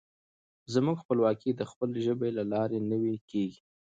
زموږ خپلواکي د خپلې ژبې له لارې نوي کېږي.